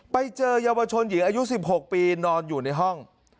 ไปเจอเยาวชนหญิงอายุ๑๖ปีนอนอยู่ในห้อง